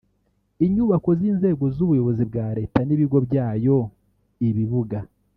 inyubako z’inzego z’ubuyobozi bwa Leta n’ibigo byayo; ibibuga